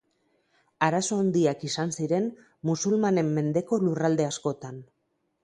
Arazo handiak izan ziren musulmanen mendeko lurralde askotan.